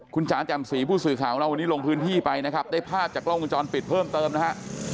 คุณจ๋าแจ่มสีผู้สื่อข่าวของเราวันนี้ลงพื้นที่ไปนะครับได้ภาพจากกล้องวงจรปิดเพิ่มเติมนะฮะ